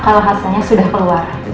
kalau hasilnya sudah keluar